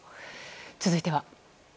続いては。